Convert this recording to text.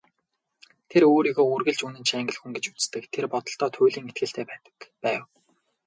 Тэр өөрийгөө үргэлж үнэнч Англи хүн гэж үздэг, тэр бодолдоо туйлын итгэлтэй байдаг байв.